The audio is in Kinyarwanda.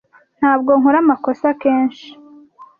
Ntabwo nkora amakosa kenshi.